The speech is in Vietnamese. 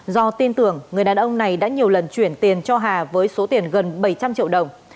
do tin tưởng người đàn ông này đã nhiều lần chuyển tiền cho hà với số tiền gần bảy trăm linh triệu đồng